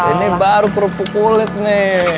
ini baru kerupuk kulit nih